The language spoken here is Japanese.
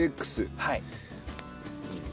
はい。